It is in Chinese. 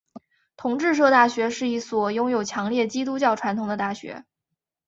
同志社大学是一所拥有强烈基督教传统的大学。